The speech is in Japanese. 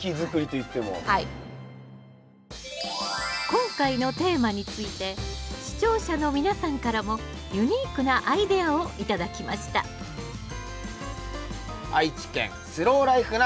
今回のテーマについて視聴者の皆さんからもユニークなアイデアを頂きました愛知県スローライフな人さんからです。